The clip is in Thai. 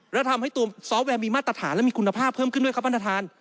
และทำให้ตัวซอฟต์แวร์มีมาตรฐานและมีคุณภาพเพิ่มขึ้นด้วยครับท่านประธาน